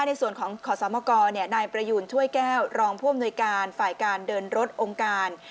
ในส่วนของขอสมกรนายประยูนช่วยแก้วรองผู้อำนวยการฝ่ายการเดินรถองค์การ